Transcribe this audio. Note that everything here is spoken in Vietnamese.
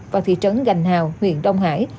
và thị trấn gành hào huyện đông hải